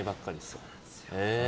そうなんですよ。